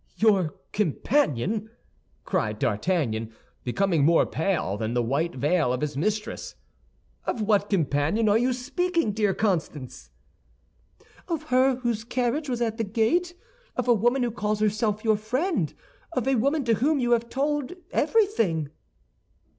"Your companion!" cried D'Artagnan, becoming more pale than the white veil of his mistress. "Of what companion are you speaking, dear Constance?" "Of her whose carriage was at the gate; of a woman who calls herself your friend; of a woman to whom you have told everything."